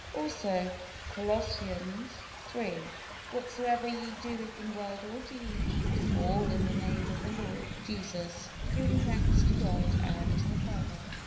Also Colossians iii: "Whatsoever ye do in word or deed, do all in the Name of the Lord Jesus, giving thanks to God and the Father."